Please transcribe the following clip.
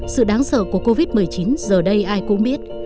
sự đáng sợ của covid một mươi chín giờ đây ai cũng biết